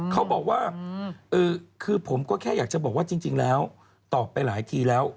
เขาบอกว่าคือผมก็แค่อยากจะบอกว่าจริงแล้วตอบไปหลายทีแล้ว